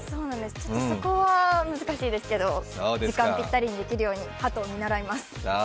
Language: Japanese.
そこは難しいですけど、時間ぴったりにできるように鳩を見習います。